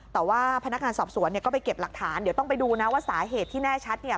แต่ว่าพนักงานสอบสวนเนี่ยก็ไปเก็บหลักฐานเดี๋ยวต้องไปดูนะว่าสาเหตุที่แน่ชัดเนี่ย